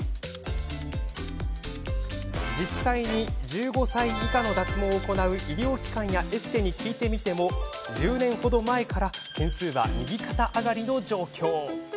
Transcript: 実際に、１５歳以下の脱毛を行う医療機関やエステに聞いてみても１０年程前から件数は右肩上がりの状況。